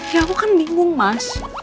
ya aku kan bingung mas